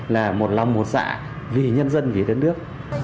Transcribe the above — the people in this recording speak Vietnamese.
là một lòng một xã vì nhân dân vì đất nước